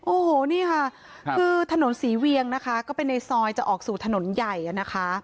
โอ้โหนี่ค่ะคือถนนศรีเวียงนะคะก็เป็นในซอยจะออกสู่ถนนใหญ่นะคะ